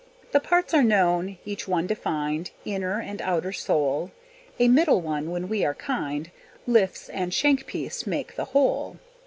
The parts are known, each one defined, Inner and outer sole; A middle one, when we are kind, Lifts and shank piece make the whole.